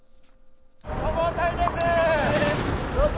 消防隊です。